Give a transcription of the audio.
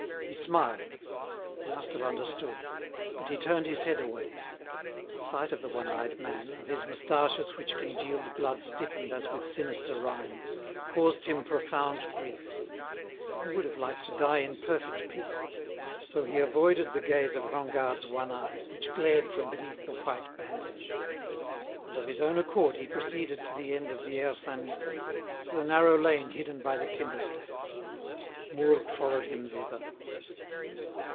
He smiled. He must have understood. But he turned his head away. The sight of the one eyed man, of his moustaches which congealed blood stiffened as with sinister rime, caused him profound grief. He would have liked to die in perfect peace. So he avoided the gaze of Rengade's one eye, which glared from beneath the white bandage. And of his own accord he proceeded to the end of the Aire Saint Mittre, to the narrow lane hidden by the timber stacks. Mourgue followed him thither.